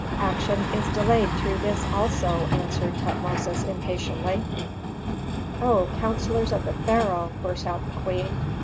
"Action is delayed through this also," answered Tutmosis, impatiently. "O counsellors of the pharaoh!" burst out the queen.